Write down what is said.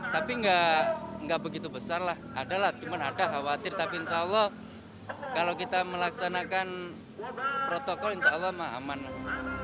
tapi insya allah kalau kita melaksanakan protokol insya allah aman lah